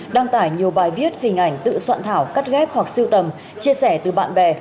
đăng tải nhiều bài viết hình ảnh tự soạn thảo cắt ghép hoặc siêu tầm chia sẻ từ bạn bè